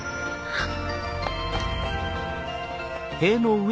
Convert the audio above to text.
あっ。